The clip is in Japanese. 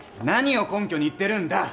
何を根拠に言ってるんだ。